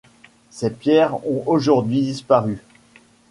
Ces pierres ont aujourd'hui disparu.